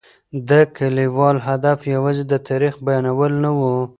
د لیکوال هدف یوازې د تاریخ بیانول نه و.